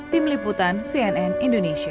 tim liputan cnn indonesia